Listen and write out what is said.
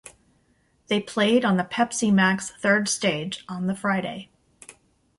They played on the Pepsi Max third stage on the Friday.